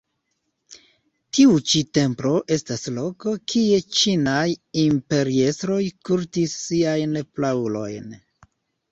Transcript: Tiu ĉi templo estas loko, kie ĉinaj imperiestroj kultis siajn praulojn.